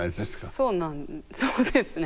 そうなんそうですね。ね。